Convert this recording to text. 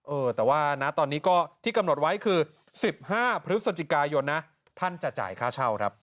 เออแต่ว่านะตอนนี้ก็ที่กำหนดไว้คือ๑๕พฤศจิกายนนะท่านจะจ่ายค่าเช่าครับ